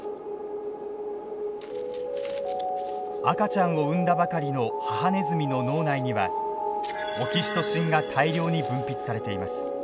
赤ちゃんを産んだばかりの母ネズミの脳内にはオキシトシンが大量に分泌されています。